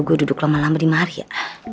gue duduk lama lama di maria